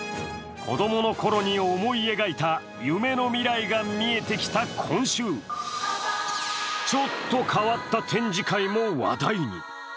子供のころに思い描いた夢の未来が見えてきた今週、ちょっと変わった展示会も話題に。